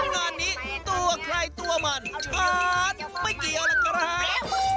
งานนี้ตัวใครตัวมันชาติไม่เกี่ยวหรอกครับ